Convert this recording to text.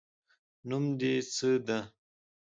نوم د څه ده